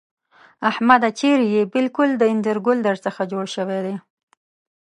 احمده! چېرې يې؟ بالکل د اينځر ګل در څخه جوړ شوی دی.